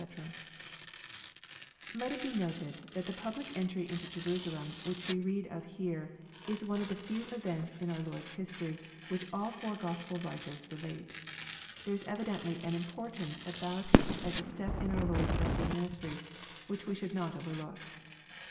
] Let it be noted, that the public entry into Jerusalem which we read of here, is one of the few eveats in our Lord's history which all four Gfospel writers relate. There is evidently an importance about it as a step in our Lord's earthly ministry, which we should not overlook.